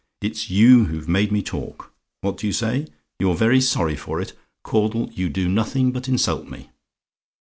It's you who've made me talk. What do you say? "YOU'RE VERY SORRY FOR IT? "Caudle, you do nothing but insult me.